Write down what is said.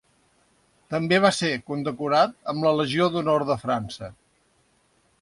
També va ser condecorat amb la Legió d'Honor de França.